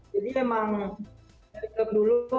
jadi memang dari dulu